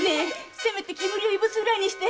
せめて煙をいぶすぐらいにして。